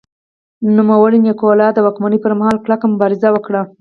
لومړي نیکولای د واکمنۍ پرمهال کلکه مبارزه وکړه.